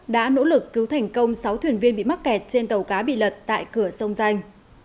đã nỗ lực cứu thành công sáu thuyền viên bị mắc kẹt trên tàu cá bị lật tại cửa sông danh